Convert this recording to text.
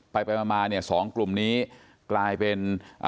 ไปประมาณสองกลุ่มนี้กลายเป็น